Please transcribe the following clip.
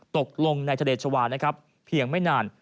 ตกลงในทะเลชวาเพียงไม่นาน